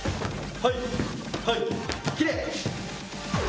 はい！